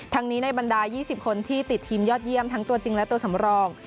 นี้ในบรรดา๒๐คนที่ติดทีมยอดเยี่ยมทั้งตัวจริงและตัวสำรอง